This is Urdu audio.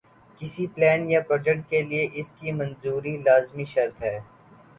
کسی پلان یا پراجیکٹ کے لئے اس کی منظوری لازمی شرط ہے۔